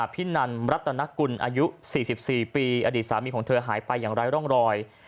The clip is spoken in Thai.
พินันรัตนกุลอายุ๔๔ปีอดีตสามีของเธอหายไปอย่างไร้ร่องรอย